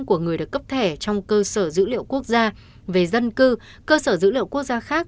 của người được cấp thẻ trong cơ sở dữ liệu quốc gia về dân cư cơ sở dữ liệu quốc gia khác